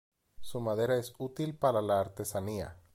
Su madera es útil para la artesanía.